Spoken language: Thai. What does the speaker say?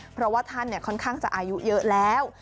เพราะว่าท่านค่อนข้างจะอายุเยอะแล้ว